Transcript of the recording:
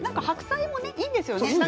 白菜もねいいんですよね。